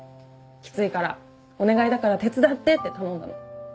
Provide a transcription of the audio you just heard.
「きついからお願いだから手伝って」って頼んだの。